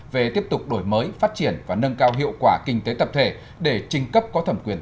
về tiếp tục đổi mới phát triển và nâng cao hiệu quả kinh tế tập thể để trình cấp có thẩm quyền